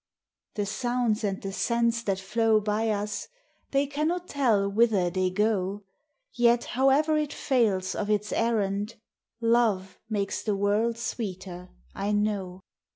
The sounds and the scents that flow by us — They cannot tell whither they go; Yet, however it fails of its errand, Love makes the world sweeter, I know.